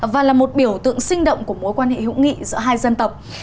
và là một biểu tượng sinh động của mối quan hệ hữu nghị giữa hai dân tộc